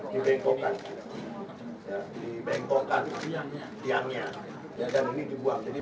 dibengkokkan dibengkokkan tiangnya dan ini dibuang